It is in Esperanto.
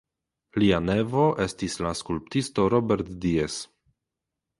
Lia nevo estis la skulptisto Robert Diez.